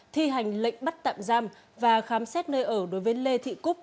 thi hành lệnh bắt tạm giam và khám xét nơi ở đối với lê thị cúc